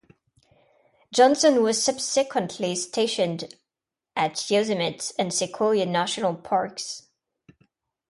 Johnson was subsequently stationed at Yosemite and Sequoia national parks.